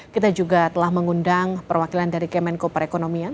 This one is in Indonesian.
kita juga telah mengundang perwakilan dari kemenko perekonomian